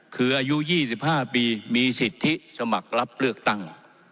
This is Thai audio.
คืออายุ๒๕ปีมีสิทธิสมัครรับเลือกตั้ง